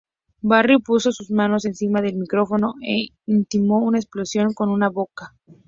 Barry puso sus manos encima del micrófono e imitó una explosión con su boca.